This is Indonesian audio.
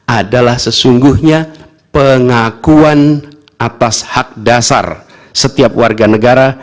adalah sesungguhnya pengakuan atas hak dasar setiap warga negara